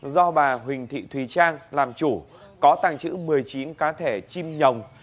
do bà huỳnh thị thùy trang làm chủ có tàng trữ một mươi chín cá thể chim nhồng